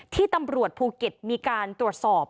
ที่ตำรวจภูเก็ตมีการตรวจสอบ